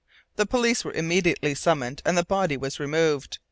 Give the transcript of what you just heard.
The police were immediately summoned and the body was removed.